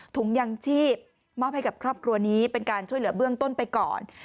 ถุงยังชีพมอบให้กับครอบครัวนี้เป็นการช่วยเหลือเบื้องต้นไปก่อน